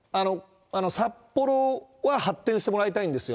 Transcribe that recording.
札幌は発展してもらいたいんですよ。